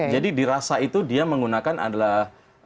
jadi di rasa itu dia menggunakan adalah